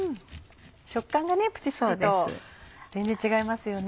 食感がプチプチと全然違いますよね。